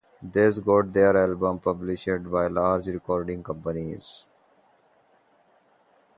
These got their albums published by large record companies.